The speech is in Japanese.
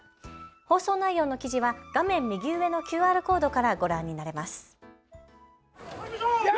放送内容の記事は画面右上のＱＲコードからご覧になれます。